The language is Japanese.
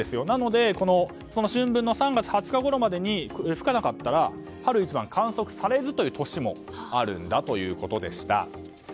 なので春分の３月２０日ごろまでに吹かなかったら春一番は観測されずという年もあるということでした。